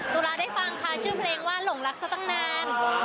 ตุลาได้ฟังค่ะชื่อเพลงว่าหลงรักซะตั้งนาน